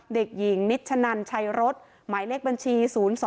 เด็กหญิงนิชชะนันชัยรถหมายเลขบัญชี๐๒๐๑๘๖๒๙๗๖๙๔